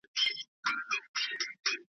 له نورو سره سیال وي